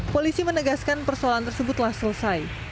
polisi menegaskan persoalan tersebut telah selesai